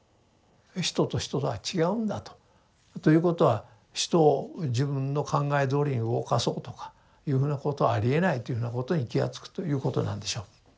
人と人とは違うんだと。ということは人を自分の考えどおりに動かそうとかいうふうなことはありえないというふうなことに気が付くということなんでしょう。